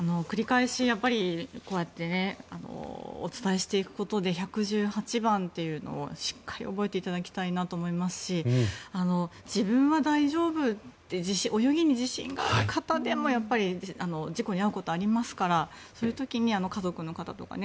繰り返しこうやってお伝えしていくことで１１８番というのをしっかり覚えていただきたいなと思いますし自分は大丈夫って泳ぎに自信がある方でも颯という名の爽快緑茶！